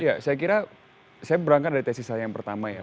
ya saya kira saya berangkat dari tesis saya yang pertama ya